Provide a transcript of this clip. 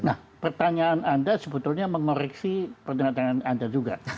nah pertanyaan anda sebetulnya mengoreksi pernyataan anda juga